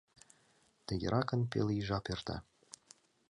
Тыгеракын пел ий жап эрта.